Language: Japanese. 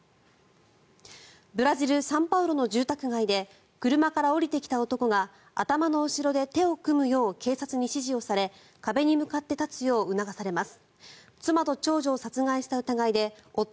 ブラジル・サンパウロの住宅街で車から降りてきた男が頭の後ろで手を組むよう警察に指示をされ壁に向かって立つよう促されます。